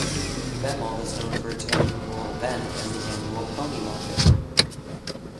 Bemmel is known for its annual event and the annual pony market.